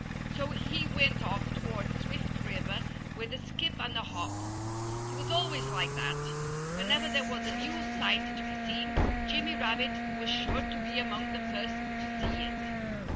So he went off toward Swift River with a skip and a hop. He was always like that. Whenever there was a new sight to be seen, Jimmy Rabbit was sure to be among the first to see it.